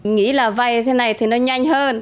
nghĩ là vay thế này thì nó nhanh hơn